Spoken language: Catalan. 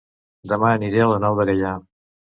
Dema aniré a La Nou de Gaià